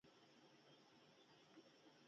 امپریالیستان وايي چې انحصارات سیالي له منځه وړي